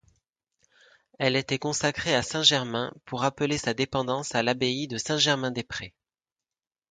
Elle était consacrée à Saint Germain, pour rappeler sa dépendance à l'abbaye de Saint-Germain-des-Prés.